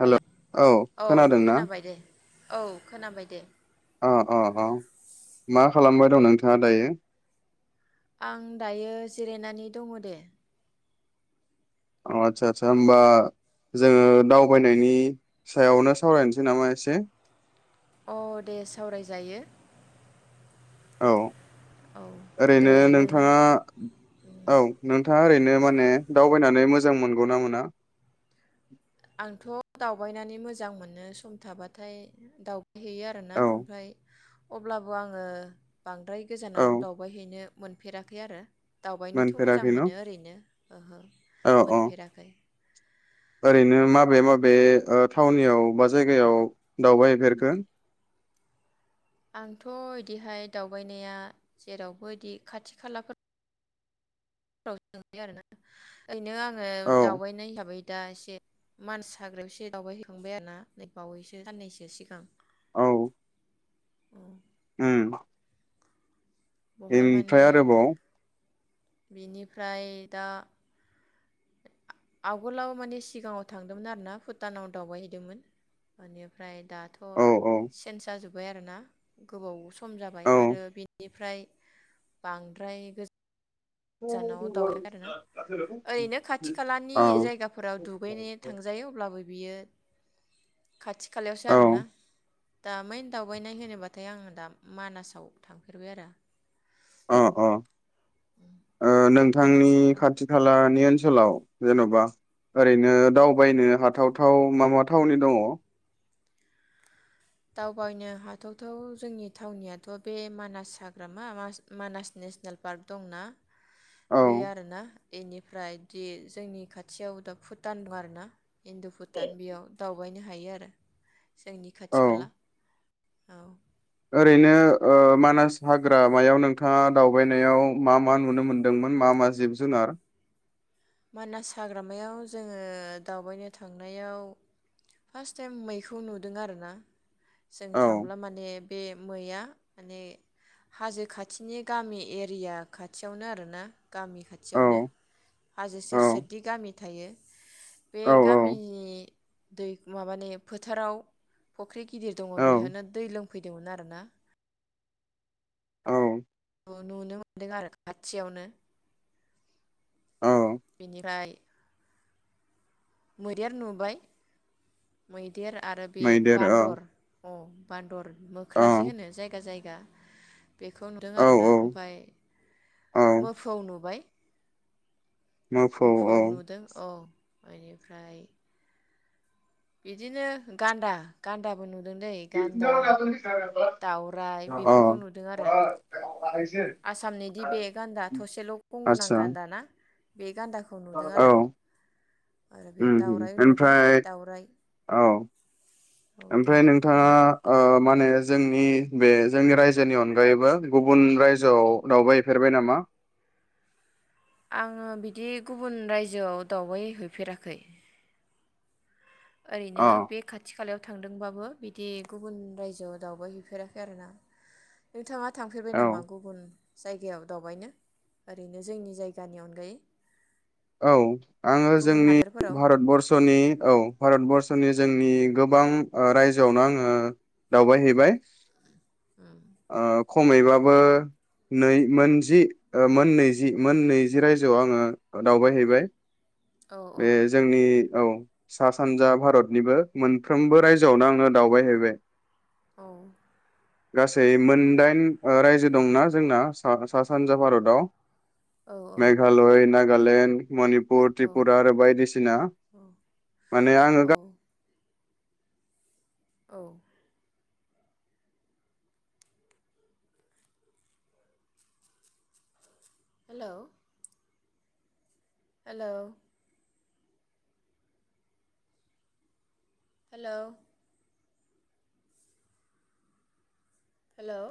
हेल' औ खोनादों ना? खोनाबाय दे औ खोनाबाय दे अ अ अ मा खालामबाय दं नोंथ आ दायो आं दायो जिरायनानै दङ दे अ आदसा आदसा होमबा जोङो दावबायनायनि सायावनो सावरायनोसै नामा एसे? अ दे सावरायजायो औ औ दे ओरैनो नोङो नोंथाङा औ नोंथाङा ओरैनो नोङो माने दावबायनानै मोजां मोनगोना मोना? आंथ' दावबायनानै मोजां मोनो सम थाबाथाय दाव हैयो आरोना औ ओमफ्राय अब्लाबो आङो बांद्राय गोजानाव औ दावबायहैनो मोनफेराखै आरो दावबायनोथ' मोजां मोनफेराखै न मोनो ओरैनो ओहो औ औ मोनफेराखै ओरैनो माबे माबे ओ थावउनियाव बा जायगायाव दावबायफेरखो? आंथ' इदिहाय दावबायनाया जेरावबो इदि खाथि खालाफोर औ जों आरोना ओरैनो आं औ दावबायनाय हिसाबै दा एसे मान्स हाग्रायावसे दावबाय हैैखांबाय आरो ना नै बावैसो साननैसो सिगां औ ओं इमफ्राय आरोबाव बेनिफ्राय दा आगोलाव माने सिगाङाव थांदोंमोन आर ना भुटानाव दावबायहैदोंमोन बेनिफ्राय दाथ' औ औ सेनस जाजोब बाय आरो ना गोबाव स सम जाबाय औ आरो बिनिफ्राय बांद्राय गोज औ गोजानाव दावउबाय आरोना ओरैनो खाथि औ खालानि अ जायगाफोराव दुगैनो थांजायो अब्लाबो बियो खाथि खालायावसो आरोना दा मेन दावबायनाय होनोबाथाय आं दा मानासाव थांफेरबाय आरो अ अ मानास नोंथांनि हाग्रामा खाथि खालानि ओ ओनसोलाव जेन'बा ओरैनो दावबायनो हाथावथाव माबा थावनि दङ? दावबायनो हाथावथाव जोंनि थावनियाथ' बे मानास हाग्रामा मानास नेसनेल पार्क दंना बे औ आरोना एनिफ्रायदि जोंनि खाथियाव दा भुटान दं आर ना इन्दु - भुटान बेयाव दावबायनो हायो आरो जोंनि खाथ खाथि खाला औ। ओरैनो मानास हाग्रामायाव नोंथाङा दावबायनायाव मा मा नुनो मोनदोंमोन मा मा जिब जुनार? मानास हाग्रामायाव जोङो दावबायनो थांनायाव फार्स्ट टाइम मैखौ नुदों आरोना जों औ थांब्ला माने बे मैया माने हाजो खाथिनि गामि एरिया खाथियावनो आरोना गामि औ खाथियावनो हाजो औ सेर सेरदि गामि थायो बे औ गामिनि दै माबानि फोथाराव फ ख्रि गिदिर दङ औ बिहोनो दै लों फैदोंमोन आरोना औ। नुनो मोनदों आरो खाथियावनो औ बेनिफ्राय मैदेर नुबाय मै देर आरो बे मैदेर औ बान्दर अ बान्दर मोख्राजि औ होनो जायगा जाय दा बेखौ नुदों औ आर औ ना ओमफाय औ मोफौ नुबाय मोफौ नुदों अ आयो फ्राय बिदिनो गान्दा गान्दाबो नु दाउराइ [unintelligible] आसाम निदि बे गान्दा थसेल गं गोनां गान्दा ना? बे गान्दाखौ नुदों आरो आरो बे उम्म दाउराइ नुदों ओमफ्राय दाउराइ औ औ दे ओमफ्राय नोंथाङा बुं ओ माहोनो जोंनि बे जोंनि रायजोनि अनगायैबो गुबुन रायजोआव दावबायफेरबाय नामा? आङो बिदि गुबुन रायजोआव दावबाय हैफेराखै ओरैनो अ बे खाथि खालायाव थांदोंबा बो बिदि गुबुन रायजोआव दावबाय हैफेराखै आरोना नोंथाङा थांफेरबाय औ नामा गुबुन जायगायाव दावबायनो ओरैनो जोंनि जायगानि अनगायै? औ आङो गुबुन जोंनि हादोरफोराव भारतबर्सनि औ भारतबर् सनि जोंनि गोबां रायजोआवनो आङो दावबायहैबाय आ। खमैबाबो नै मोनजि ओ मोननैजि मोन नैजि रायजोआव आङो ओ दावबाय हैैबाय औ औ बे जोंनि औ सा सानजा भारतनिबो मोनफ्रोमबो रायजोआवनो आंनो दावबायहैबाय। औ। गासै मोनदाइन ओ रायजो दंना जोंना सा सा सानजा भारताव। औ मेघालय नाग गालण्ड मणि पुर औ त्रिपुरा आरो बायदिसिना औ माने आङो औ गा औ हेलौ हेलौ हेलौ हेलौ